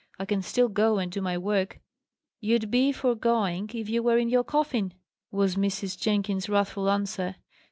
I can still go and do my work." "You'd be for going, if you were in your coffin!" was Mrs. Jenkins's wrathful answer.